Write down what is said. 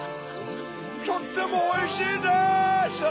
とってもおいしいです！